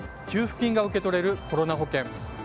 給付金が受け取れるコロナ保険。